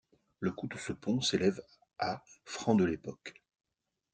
Le coût de ce pont s'élève à francs de l'époque.